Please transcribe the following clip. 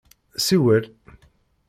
Siwel!